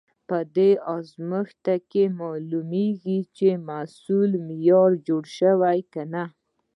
په دې ازمېښت کې معلومېږي، چې محصول معیاري جوړ شوی که نه.